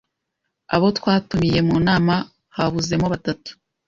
Abô twatumiye mu nama habuzemo batatu,